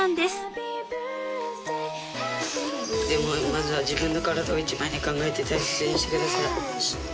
「まずは自分の体を一番に考えて大切にしてください」